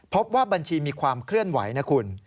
พบว่าบัญชีมีความเคลื่อนไหวนะคุณ